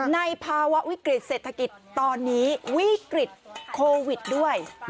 ในภาวะวิกฤตเศรษฐกิจตอนนี้วิกฤตโควิดด้วย